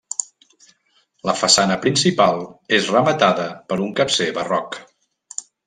La façana principal és rematada per un capcer barroc.